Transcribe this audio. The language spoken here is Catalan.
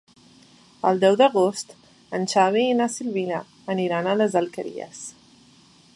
El deu d'agost en Xavi i na Sibil·la aniran a les Alqueries.